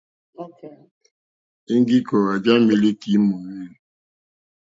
Íŋɡí kòòwà já mílíkì í mòòwê.